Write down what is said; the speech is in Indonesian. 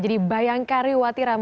jadi bayangkariwati ramadhani